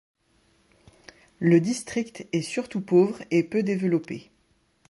Le district est surtout pauvre et peu développé.